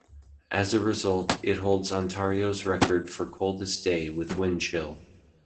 As a result, it holds Ontario's record for coldest day with wind chill.